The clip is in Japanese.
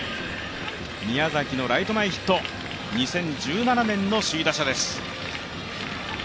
宮崎のライト前ヒット２０１７年の首位打者です。